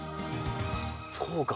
そうか。